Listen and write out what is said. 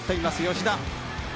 吉田。